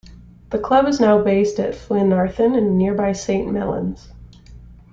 The club is now based at Llwynarthen in nearby Saint Mellons.